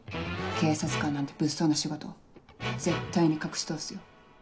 警察官なんて物騒な仕事絶対に隠し通すよ。